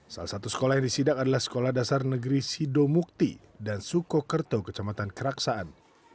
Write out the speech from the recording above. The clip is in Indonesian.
salah satu sekolah yang disidak adalah sekolah dasar negeri sido mukti dan suko kerto kecamatan keraksaan